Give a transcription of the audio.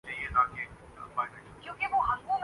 اکثر بہت زیادہ کھاتا ہوں